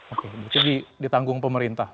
oke jadi ditanggung pemerintah